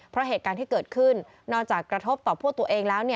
เพราะเหตุการณ์ที่เกิดขึ้นนอกจากกระทบต่อพวกตัวเองแล้ว